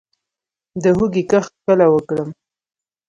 د هوږې کښت کله وکړم؟